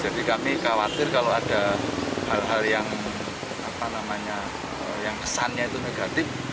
jadi kami khawatir kalau ada hal hal yang kesannya itu negatif